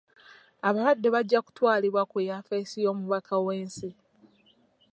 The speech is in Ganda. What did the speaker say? Abalwadde bajja kutwalibbwa ku yaffesi y'omubaka w'ensi.